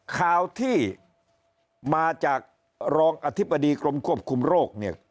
ข่าวที่มาจากรองอธิบดีกรมควบคุมโรคเนี่ย